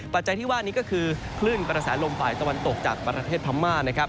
จัยที่ว่านี้ก็คือคลื่นกระแสลมฝ่ายตะวันตกจากประเทศพม่านะครับ